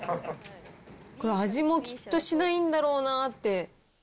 これ、味もきっとしないんだろうなって。